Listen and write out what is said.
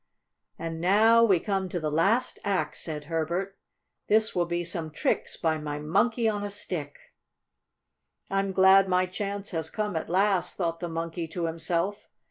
"And now we come to the last act!" said Herbert. "This will be some tricks by my Monkey on a Stick." "I'm glad my chance has come at last," thought the Monkey to himself.